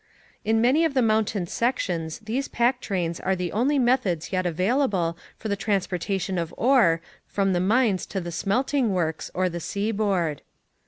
In many of the mountain sections these pack trains are the only methods yet available for the transportation of ore from the mines to the smielting works or the seaboard.